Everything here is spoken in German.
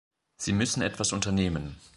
Sie müssen etwas unternehmen!